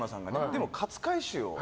でも勝海舟を。